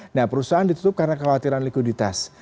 nah perusahaan ditutup karena kekhawatiran likuiditas